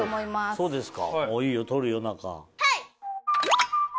そうですかいいよ撮るよ中。